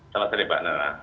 selamat sore pak nana